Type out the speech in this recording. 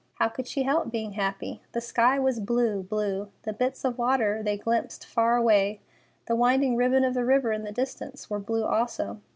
How could she help being happy? The sky was blue, blue; the bits of water they glimpsed far away, the winding ribbon of the river in the distance, were blue also.